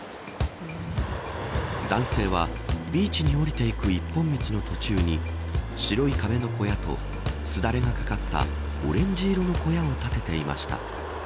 男性はビーチに降りていく一本道の途中に白い壁の小屋とすだれがかかったオレンジ色の小屋を建てていました。